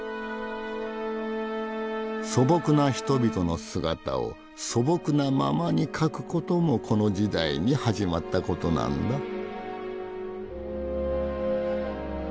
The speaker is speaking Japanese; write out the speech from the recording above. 素朴な人々の姿を素朴なままに描くこともこの時代に始まったことなんだ。